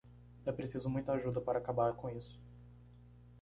É preciso muita ajuda para acabar com isso.